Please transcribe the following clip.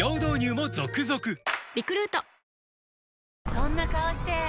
そんな顔して！